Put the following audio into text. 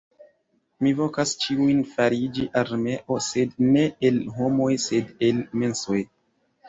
Mi vokas ĉiujn fariĝi armeo sed ne el homoj sed el mensoj